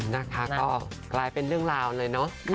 นะคะก็กลายเป็นเรื่องราวเลยเนาะ